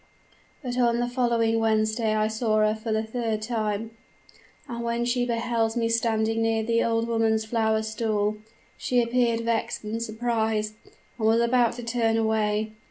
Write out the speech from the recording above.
But on the following Wednesday I saw her for the third time; and when she beheld me standing near the old woman's flower stall, she appeared vexed and surprised, and was about to turn away.